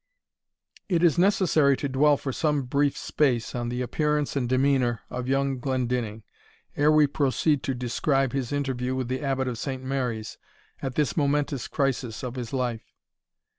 It is necessary to dwell for some brief space on the appearance and demeanour of young Glendinning, ere we proceed to describe his interview with the Abbot of St. Mary's, at this momentous crisis of his life.